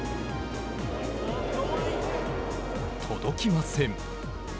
届きません。